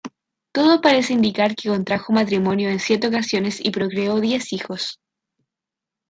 Todo parece indicar que contrajo matrimonio en siete ocasiones y procreó diez hijos.